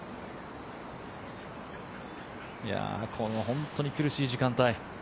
この本当に苦しい時間帯。